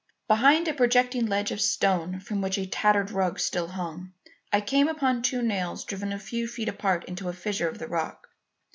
"Behind a projecting ledge of stone from which a tattered rug still hung, I came upon two nails driven a few feet apart into a fissure of the rock.